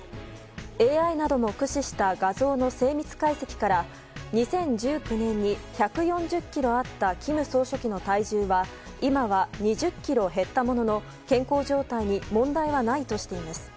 ＡＩなどを駆使した画像の精密解析から２０１９年に１４０ｋｇあった金総書記の体重は今は、２０ｋｇ減ったものの健康状態に問題はないとしています。